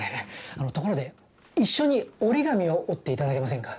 あのところで一緒に折り紙を折っていただけませんか？